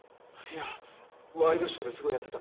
いやワイドショーですごいやってた。